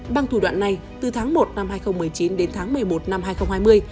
bằng thủ đoạn này từ tháng một năm hai nghìn một mươi chín đến tháng một mươi một năm hai nghìn hai mươi